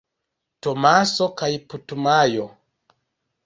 Tomaso kaj Putumajo.